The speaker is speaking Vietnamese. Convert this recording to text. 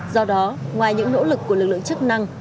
do đó ngoài những nỗ lực của lực lượng chức năng